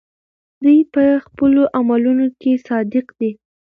دی په خپلو عملونو کې صادق دی.